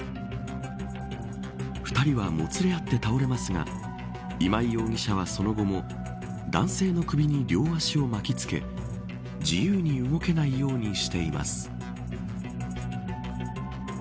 ２人はもつれ合って倒れますが今井容疑者は、その後も男性の首に両脚を巻きつけ自由に動けないようにしています。